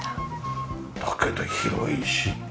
だけど広いし。